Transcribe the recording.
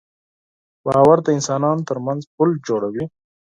باور د انسانانو تر منځ پُل جوړوي.